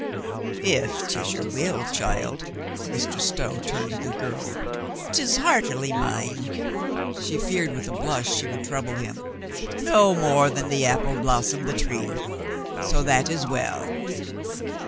"If 'tis your will, child," Mr. Stow turned to the girl, " 'tis heartily mine." She feared with a blush she would trouble him. "No more than the apple blossom the tree. So that is well."